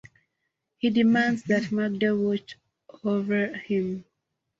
He demands that Magda watch over him.